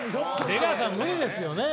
出川さん無理ですよね。